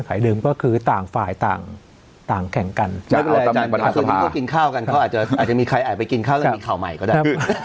ใครอายไปกินข้าวแล้วมีข่าวใหม่ก็ได้